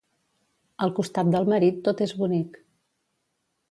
Al costat del marit tot és bonic.